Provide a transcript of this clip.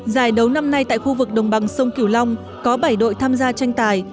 giải đấu năm nay tại khu vực đồng bằng sông cửu long có bảy đội tham gia tranh tài